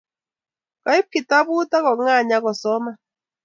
kaib kitabut ak kongany ak kosoman